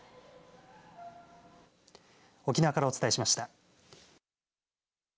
沖縄からお伝えしました。